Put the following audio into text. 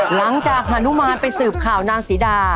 หลังจากฮานุมานไปสืบข่าวนางศรีดา